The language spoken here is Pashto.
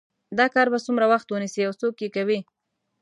دا کار به څومره وخت ونیسي او څوک یې کوي